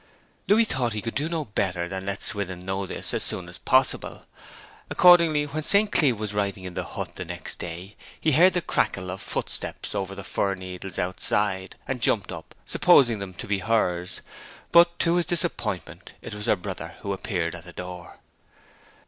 Louis thought he could do no better than let Swithin know this as soon as possible. Accordingly when St. Cleeve was writing in the hut the next day he heard the crackle of footsteps over the fir needles outside, and jumped up, supposing them to be hers; but, to his disappointment, it was her brother who appeared at the door.